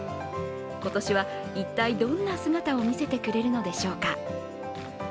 今年は一体どんな姿を見せてくれるのでしょうか。